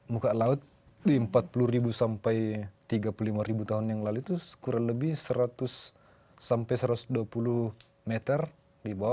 muka laut di empat puluh sampai tiga puluh lima tahun yang lalu itu kurang lebih seratus sampai satu ratus dua puluh meter di bawah